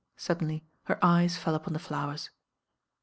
Suddenly her eyes fell upon the flowers.